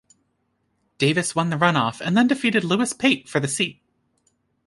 Davis won the runoff and then defeated Louis Pate for the seat.